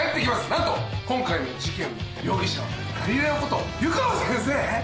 何と今回の事件の容疑者はガリレオこと湯川先生？